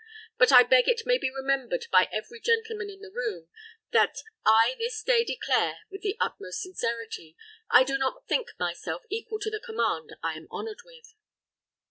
"But I beg it may be remembered by every gentleman in the room, that I this day declare, with the utmost sincerity, I do not think myself equal to the command I am honoured with."